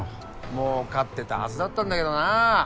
もうかってたはずだったんだけどな。